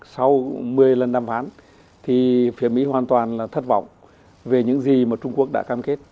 sau một mươi lần đàm phán thì phía mỹ hoàn toàn là thất vọng về những gì mà trung quốc đã cam kết